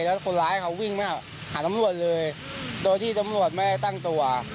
แล้วคนร้ายเขาวิ่งมาหาตำรวจเลยโดยที่ตำรวจไม่ได้ตั้งตัว